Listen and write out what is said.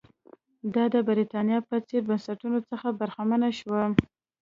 دا د برېټانیا په څېر بنسټونو څخه برخمنه شوه.